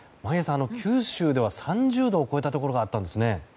九州では３０度を超えたところがあったんですね。